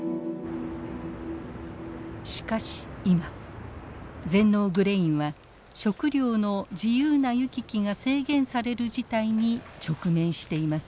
しかし今全農グレインは食料の自由な行き来が制限される事態に直面しています。